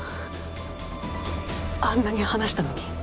あんなに話したのに？